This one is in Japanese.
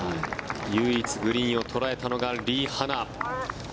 唯一グリーンを捉えたのがリ・ハナ。